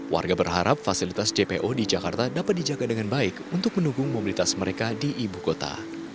warga berharap fasilitas jpo di jakarta dapat dijaga dengan baik untuk mendukung mobilitas mereka di ibu kota